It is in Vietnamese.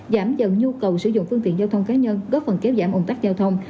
giảm dần nhu cầu sử dụng phương tiện giao thông cá nhân góp phần kéo giảm ủng tắc giao thông